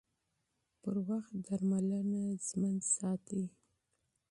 پر وخت درملنه ژوند ژغوري